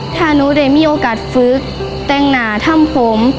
ถ้านู้นได้มีโอกาสฟื้นแต่งหนาทำผม